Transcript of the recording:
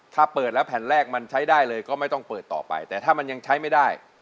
ถ้าเปิดแล้วแผ่นแรกมันใช้ได้เลยก็ไม่ต้องเปิดต่อไปแต่ถ้ามันยังใช้ไม่ได้